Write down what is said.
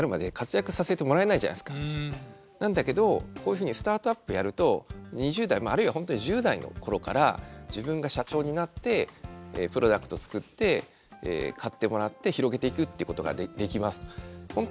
なんだけどこういうふうにスタートアップやると２０代あるいはほんとに１０代の頃から自分が社長になってプロダクト作って買ってもらって広げていくってことができます。